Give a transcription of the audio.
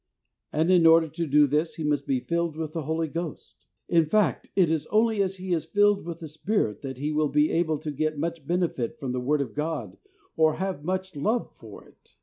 And in order to do this he must be filled with the Holy Ghost. In fact, it is only as he is filled with the Spirit that he will be able to get much benefit from the Word of God or have much love for it.